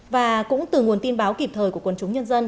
và cũng từ nguồn tin báo kịp thời của quân chúng nhân dân